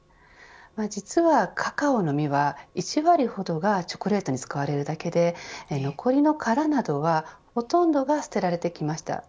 実はカカオの実は１割ほどがチョコレートに使われるだけで残りの殻などはほとんどが捨てられてきました。